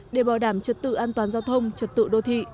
để bảo đảm trật tự an toàn giao thông trật tự đô thị